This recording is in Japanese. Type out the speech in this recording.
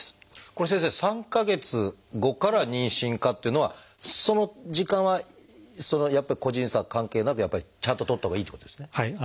これ先生「３か月後から妊娠可」っていうのはその時間はやっぱり個人差関係なくやっぱりちゃんととったほうがいいっていうことですね。